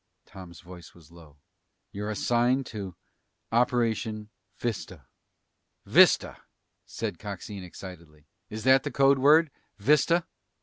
Tom's voice was low. "You're assigned to operation 'Vista.'" "Vista?" said Coxine excitedly. "Is that the code word? Vista?"